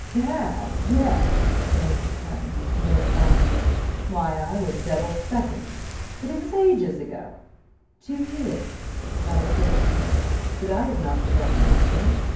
"Gad, yes!" exclaimed his partner, Lord Falmouth. "Why, I was Devil's second! But it was ages ago!" "Two years," nodded Fortescue, "but I have not forgotten, you see!"